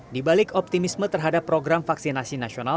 di balik optimisme terhadap program vaksinasi nasional